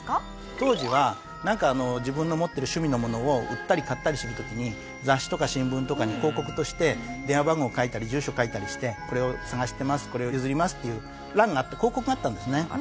当時はなんかあの自分の持ってる趣味のものを売ったり買ったりする時に雑誌とか新聞とかに広告として電話番号書いたり住所書いたりして「これを探してます」「これを譲ります」っていう欄があって広告があったんですね。